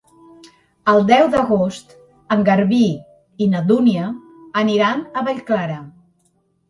El deu d'agost en Garbí i na Dúnia aniran a Vallclara.